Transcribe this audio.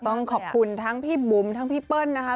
ต้องขอบคุณทั้งพี่บุ๋มทั้งพี่เปิ้ลนะคะ